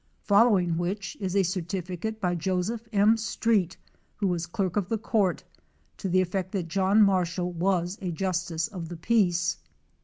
Following which is a certificate by Joseph M. Street, who was clerk of the court, to the effect that John Marshall was a justice of the peace.